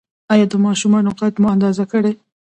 ایا د ماشومانو قد مو اندازه کړی؟